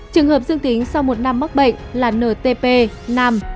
trường hợp dương tính sau một năm mắc bệnh là ntp nam